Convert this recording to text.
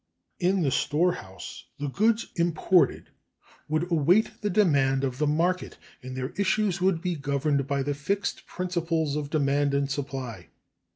In the storehouse the goods imported would await the demand of the market and their issues would be governed by the fixed principles of demand and supply.